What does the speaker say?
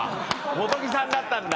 元木さんだったんだ。